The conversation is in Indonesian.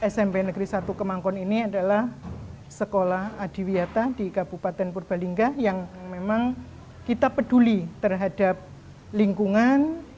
smp negeri satu kemangkon ini adalah sekolah adiwiata di kabupaten purbalingga yang memang kita peduli terhadap lingkungan